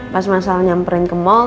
pas mas al nyamperin ke mall